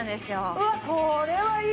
うわっこれはいい。